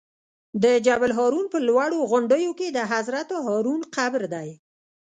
د جبل الهارون په لوړو غونډیو کې د حضرت هارون قبر دی.